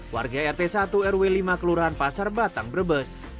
warga rt satu rw lima kelurahan pasar batang brebes